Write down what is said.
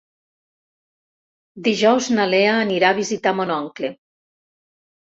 Dijous na Lea anirà a visitar mon oncle.